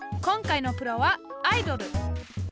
今回のプロはアイドル。